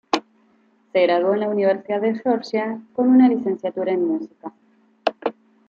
Se graduó en la Universidad de Georgia con una licenciatura en música.